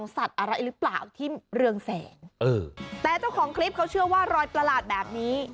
แต่เจ้าของคลิปเขาเชื่อว่ารอยประหลาดแบบนี้